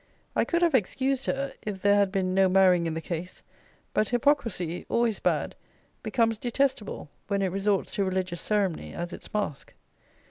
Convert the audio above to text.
I could have excused her, if there had been no marrying in the case; but hypocrisy, always bad, becomes detestable when it resorts to religious ceremony as its mask.